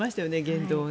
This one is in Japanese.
言動を。